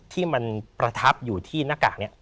ที่มันประทับอยู่ที่หน้ากากนี้